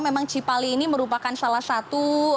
memang cipali ini merupakan salah satu